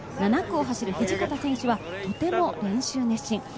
７区を走る土方選手はとても練習熱心。